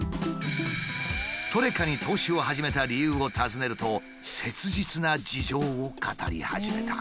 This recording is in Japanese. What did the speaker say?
トレカに投資を始めた理由を尋ねると切実な事情を語り始めた。